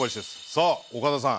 さあ岡田さん。